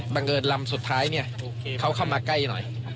บังเอิญลำสุดท้ายเนี่ยเขาเข้ามาใกล้หน่อย